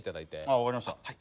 あ分かりました。